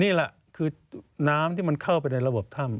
นี่แหละคือน้ำที่มันเข้าไปในระบบถ้ำ